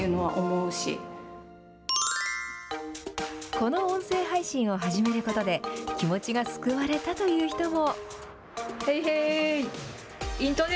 この音声配信を始めることで、気持ちが救われたという人も。